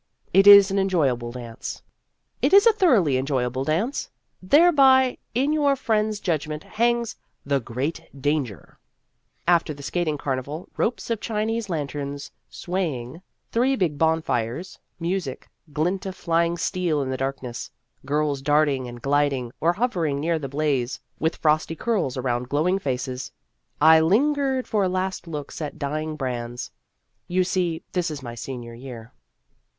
It is an enjoyable dance. It is a thoroughly enjoyable dance. Thereby, in your friend's judgment, hangs " The Great Danger !" After the skating carnival ropes of Chinese lanterns sway ing, three big bonfires, music, glint of fly ing steel in the darkness, girls darting and gliding, or hovering near the blaze with frosty curls around glowing faces I lin gered for last looks at dying brands (you see, this is my senior year).